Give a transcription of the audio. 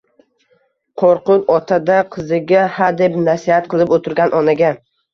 “Qo‘rqut Ota”da qiziga hadeb nasihat qilib o‘tirgan onaga